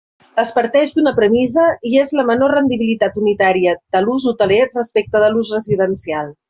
Es parteix d'una premissa, i és la menor rendibilitat unitària de l'ús hoteler respecte de l'ús residencial.